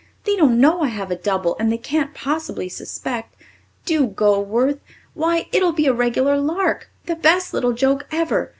They don't know I have a double and they can't possibly suspect. Do go, Worth. Why, it'll be a regular lark, the best little joke ever!